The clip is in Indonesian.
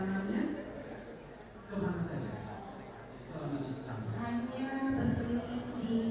pihak pihak respon itu saksi lalu kan